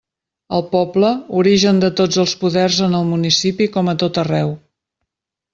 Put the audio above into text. El poble, origen de tots els poders en el municipi com a tot arreu.